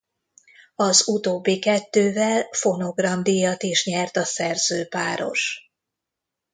Az utóbbi kettővel Fonogram-díjat is nyert a szerzőpáros.